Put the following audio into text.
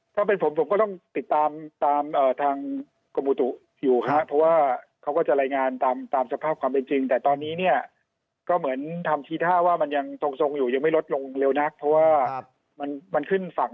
เกิดกินโวงกว้างมากเลยตอนที่เขาอยู่บนฝั่ง